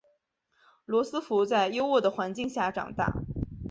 罗斯福在优渥的环境下长大。